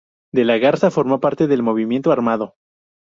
De la Garza formó parte del movimiento armado.